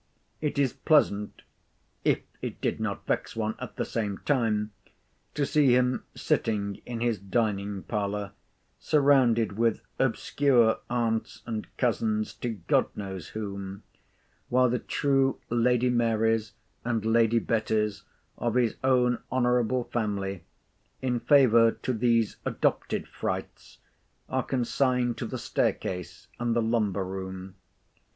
It is pleasant (if it did not vex one at the same time) to see him sitting in his dining parlour, surrounded with obscure aunts and cousins to God knows whom, while the true Lady Marys and Lady Bettys of his own honourable family, in favour to these adopted frights, are consigned to the staircase and the lumber room.